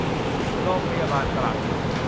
โรงพยาบาลตรัง